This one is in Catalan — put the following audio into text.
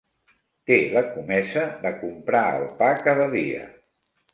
Té la comesa de comprar el pa cada dia.